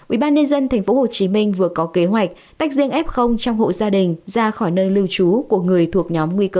ubnd tp hcm vừa có kế hoạch tách riêng f trong hộ gia đình ra khỏi nơi lưu trú của người thuộc nhóm nguy cơ